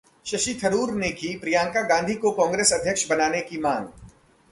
शशि थरूर ने की प्रियंका गांधी को कांग्रेस अध्यक्ष बनाने की मांग